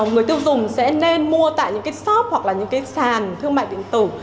người tiêu dùng sẽ nên mua tại những cái shop hoặc là những cái sàn thương mại điện tử